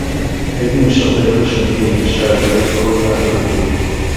הָיִיתִי מְשַׁרְבֵּב לְשׁוֹנִי הַיְבֵשָׁה אֶל גְּדוֹת כָּל נַחַל בּוֹגֵד